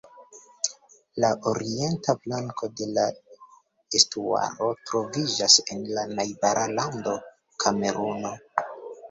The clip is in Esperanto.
La orienta flanko de la estuaro troviĝas en la najbara lando, Kameruno.